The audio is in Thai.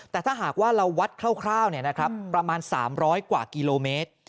แต่ถ้าหากว่าเราวัดคร่าวคร่าวเนี่ยนะครับประมาณสามร้อยกว่ากิโลเมตร